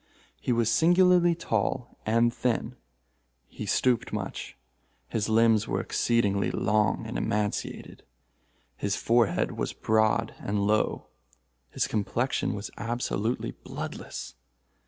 He was singularly tall and thin. He stooped much. His limbs were exceedingly long and emaciated. His forehead was broad and low. His complexion was absolutely bloodless.